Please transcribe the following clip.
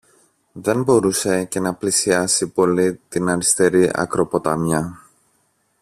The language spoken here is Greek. Δεν μπορούσε και να πλησιάσει πολύ την αριστερή ακροποταμιά